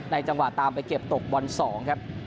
จังหวะตามไปเก็บตกบอล๒ครับ